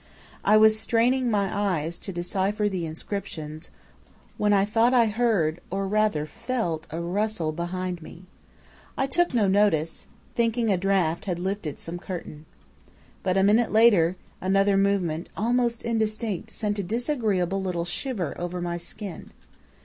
"I was straining my eyes to decipher the inscriptions, when I thought I heard, or rather felt a rustle behind me. I took no notice, thinking a draft had lifted some curtain. But a minute later, another movement, almost indistinct, sent a disagreeable little shiver over my skin.